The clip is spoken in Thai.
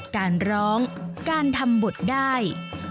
การร้องการทำบทได้